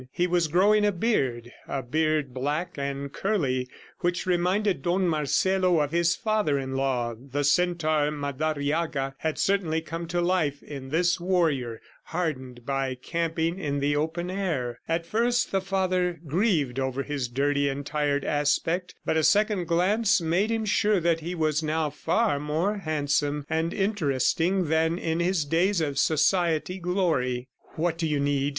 He was growing a beard, a beard black and curly, which reminded Don Marcelo of his father in law. The centaur, Madariaga, had certainly come to life in this warrior hardened by camping in the open air. At first, the father grieved over his dirty and tired aspect, but a second glance made him sure that he was now far more handsome and interesting than in his days of society glory. "What do you need? .